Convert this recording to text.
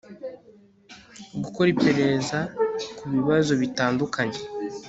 gukora iperereza ku bibazo bitandukanye